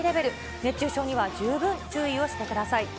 熱中症には十分注意をしてください。